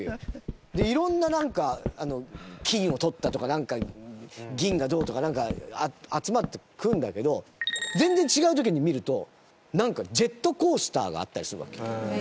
いろんな、なんか金を採ったとかなんか銀がどうとか、なんか集まっていくんだけど全然違う時に見るとジェットコースターがあったりするわけ。